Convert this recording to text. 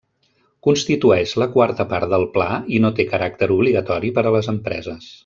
Constitueix la quarta part del pla i no té caràcter obligatori per a les empreses.